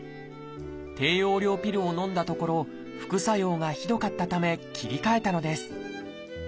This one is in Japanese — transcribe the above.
低用量ピルをのんだところ副作用がひどかったため切り替えたのです。